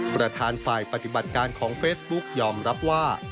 ประธานฝ่ายปฏิบัติการของเฟซบุ๊กยอมรับว่า